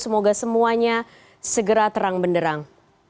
semoga semuanya segera terang benderang